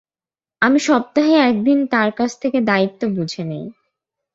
আমি সপ্তাহে একদিন তার কাছ থেকে দায়িত্ব বুঝে নেই।